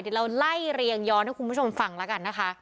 เดี๋ยวเราไล่เรียงย้อนให้คุณผู้ชมฟังแล้วกันนะคะ